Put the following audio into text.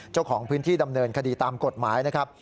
เจ้าของพื้นที่ดำเนินคดีตามกฎหมายนะครับ